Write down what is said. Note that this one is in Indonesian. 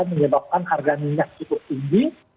menyebabkan harga minyak cukup tinggi